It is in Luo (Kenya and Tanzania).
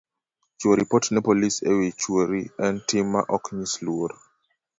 Chiwo ripot ne polis e wi chwori en tim ma ok nyis luor